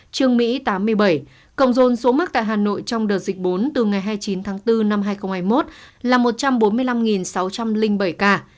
trương mỹ tám mươi bảy cộng dồn số mắc tại hà nội trong đợt dịch bốn từ ngày hai mươi chín tháng bốn năm hai nghìn hai mươi một là một trăm bốn mươi năm sáu trăm linh bảy ca